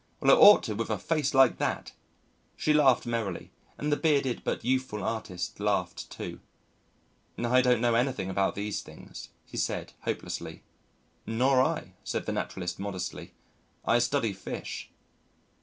"Well, it ought to with a face like that." She laughed merrily, and the bearded but youthful artist laughed too. "I don't know anything about these things," he said hopelessly. "Nor I," said the naturalist modestly. "I study fish."